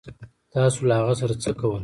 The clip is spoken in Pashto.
تاسو له هغه سره څه کول